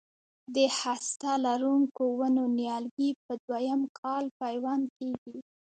د هسته لرونکو ونو نیالګي په دوه یم کال پیوند کېږي.